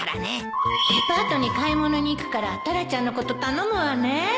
デパートに買い物に行くからタラちゃんのこと頼むわね